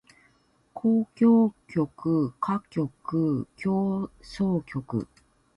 交響曲歌曲協奏曲